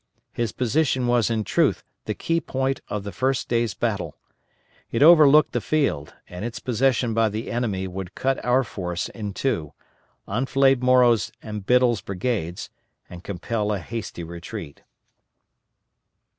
His position was in truth the key point of the first day's battle. It overlooked the field, and its possession by the enemy would cut our force in two, enfilade Morrow's and Biddle's brigades, and compel a hasty retreat.